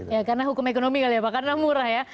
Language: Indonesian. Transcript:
ya karena hukum ekonomi kali ya pak karena murah ya